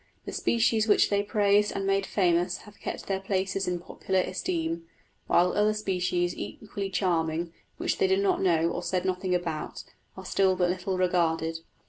The species which they praised and made famous have kept their places in popular esteem, while other species equally charming, which they did not know or said nothing about, are still but little regarded.